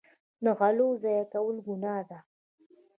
د غلو ضایع کول ګناه ده.